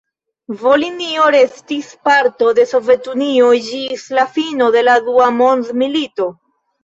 Volinio restis parto de Sovetunio ĝis la fino de la Dua Mondmilito.